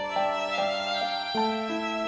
ya allah sukma